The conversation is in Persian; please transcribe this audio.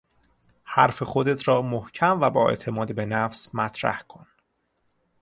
حرف خودت را محکم و با اعتماد به نفس مطرح کن